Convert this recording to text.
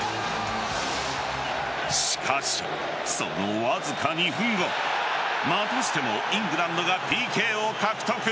しかし、そのわずか２分後またしてもイングランドがＰＫを獲得。